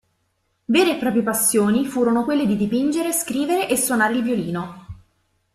Vere e proprie passioni furono quelle di dipingere, scrivere e suonare il violino.